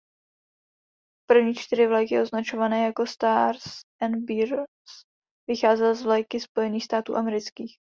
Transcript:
První čtyři vlajky označované jako „Stars and Bars“ vycházely z vlajky Spojených států amerických.